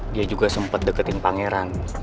dia juga sempat deketin pangeran